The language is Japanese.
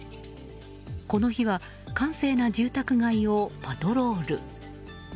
この日は閑静な住宅街をパトロール。